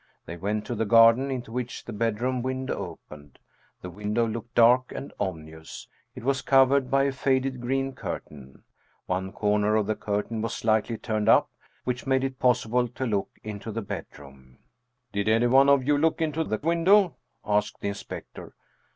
They went to the garden, into which the bedroom win dow opened. The window looked dark and ominous. It was covered by a faded green curtain. One corner of the curtain was slightly turned up, which made it possible to look into the bedroom. 157 Russian Mystery Stories " Did any of you look into the window ?" asked the in spector.